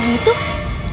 aduh yuk yuk